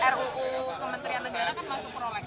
apa ruu kementerian negara kan masuk prolek